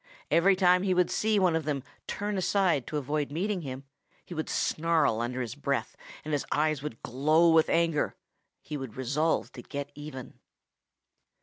Every time he would see one of them turn aside to avoid meeting him, he would snarl under his breath, and his eyes would glow with anger; he would resolve to get even.